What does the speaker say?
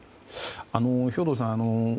兵頭さん